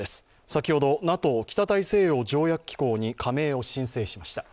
先ほどＮＡＴＯ＝北大西洋条約機構に加盟を申請しました。